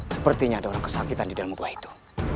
sepertinya ada orang kesakitan di dalam gua itu